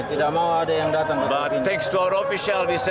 tidak mau ada yang datang ke klub ini